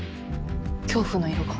「恐怖」の色が。